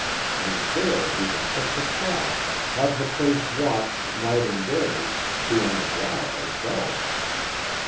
And there we can fix a trap, have the place watched night and day, be on the job ourselves.